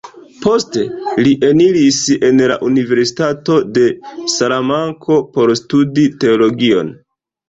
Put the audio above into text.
Poste li eniris en la Universitato de Salamanko, por studi Teologion.